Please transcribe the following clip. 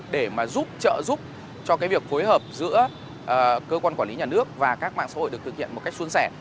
để mà giúp trợ giúp cho việc phối hợp giữa cơ quan quản lý nhà nước và các mạng xã hội được thực hiện một cách xuân sẻ